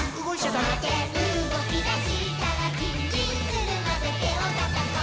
「とまってうごきだしたらヂンヂンするまでてをたたこう」